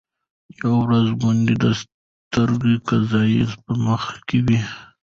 یوه ورځ ګوندي د ستر قاضي په مخ کي